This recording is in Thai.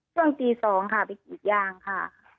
ช่วงตีสองค่ะไปกี่ยานค่ะ